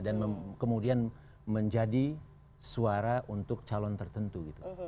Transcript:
dan kemudian menjadi suara untuk calon tertentu